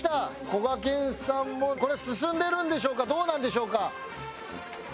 こがけんさんもこれ進んでるんでしょうかどうなんでしょうか。